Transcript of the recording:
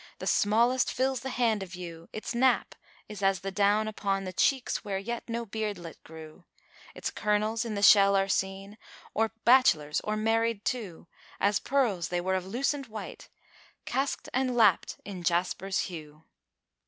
* The smallest fills the hand of you: Its nap is as the down upon * The cheeks where yet no beardlet grew: Its kernels in the shell are seen, * Or bachelors or married two, As pearls they were of lucent white * Casčd and lapped in Jasper's hue."